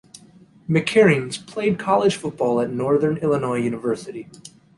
McCareins played college football at Northern Illinois University.